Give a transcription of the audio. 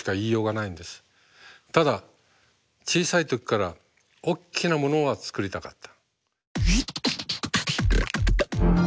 ただ小さい時からおっきなものは作りたかった。